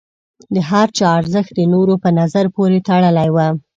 د هر چا ارزښت د نورو په نظر پورې تړلی و.